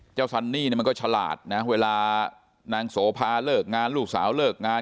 ซันนี่มันก็ฉลาดนะเวลานางโสภาเลิกงานลูกสาวเลิกงาน